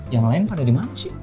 yang lain pada dimana sih